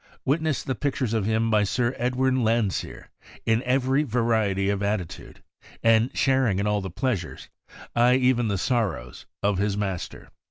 Witness the pict ures of him by Sir Edwin Landseer, in every variety of attitude, and sharing in all the pleasures — ay, even the sorrows of his master.